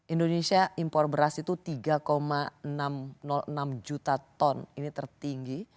indonesia impor beras itu tiga enam ratus enam juta ton ini tertinggi